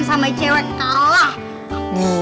sama cewek kalah